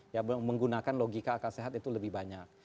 ya menggunakan logika akal sehat itu lebih banyak